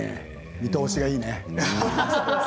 見通しがいいね。